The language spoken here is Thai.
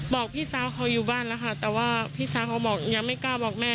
บอกพี่สาวเขาอยู่บ้านแล้วค่ะแต่ว่าพี่สาวเขาบอกยังไม่กล้าบอกแม่